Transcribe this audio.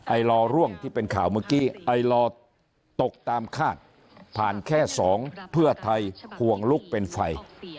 ไอลอร่วงที่เป็นข่าวเมื่อกี้ไอลอตกตามคาดผ่านแค่สองเพื่อไทยห่วงลุกเป็นไฟ